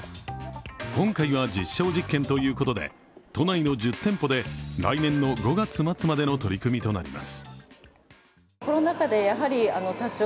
今回は実証実験ということで都内の１０店舗で来年の５月末までの取り組みとなります。